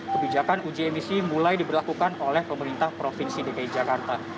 kebijakan uji emisi mulai diberlakukan oleh pemerintah provinsi dki jakarta